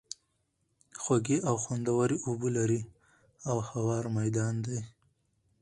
خوږې او خوندوَري اوبه لري، او هوار ميدان دی